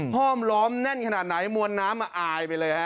ห้อมล้อมแน่นขนาดไหนมวลน้ำมาอายไปเลยฮะ